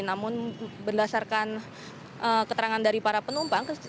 namun berdasarkan keterangan dari para penumpang